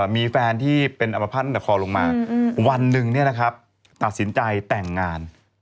มีแฟนที่เป็นอำมักภาษณ์เธอตัดสินใจแต่งงาน